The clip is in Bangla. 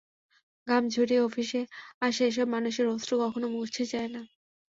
ঘাম ঝরিয়ে অফিসে আসা এসব মানুষের অশ্রু কখনো মুছে যায় না।